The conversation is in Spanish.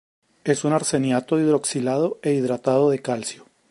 Es un arseniato hidroxilado e hidratado de calcio.